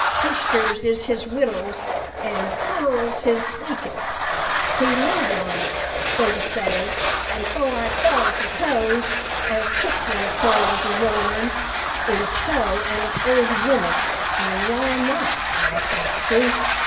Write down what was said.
Hysters is his wittles, an' pearls his physic; he lives on 'em, so to say; an' so I calls the cove as took them pearls o' your'n in tow an old woman; an' why not, I axes?"